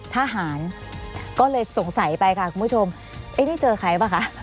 ทหารก็เลยสงสัยไปค่ะคุณผู้ชมไอ้นี่เจอใครป่ะคะ